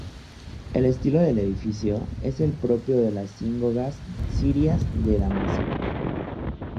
El estilo del edificio, es el propio de las sinagogas sirias de Damasco.